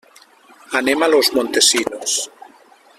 Anem a Los Montesinos.